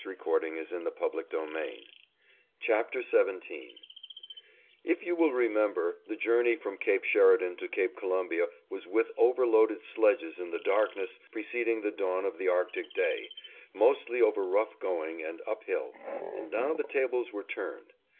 CHAPTER XVII SAFE ON THE ROOSEVELT POOR MARVIN If you will remember, the journey from Cape Sheridan to Cape Columbia was with overloaded sledges in the darkness preceding the dawn of the Arctic day, mostly over rough going and up hill, and now the tables were turned.